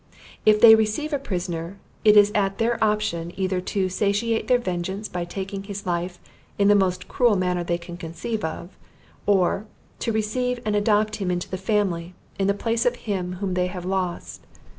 If they receive a prisoner, it is at their option either to satiate their vengeance by taking his life in the most cruel manner they can conceive of; or, to receive and adopt him into the family, in the place of him whom they have lost.